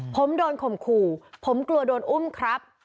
ผมโดนข่มขู่ผมกลัวโดนอุ้มครับ